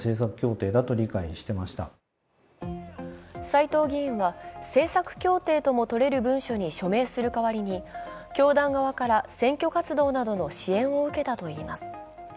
斎藤議員は、政策協定ともとれる文書に署名する代わりに教団側から、選挙活動などの支援を受けたといいます。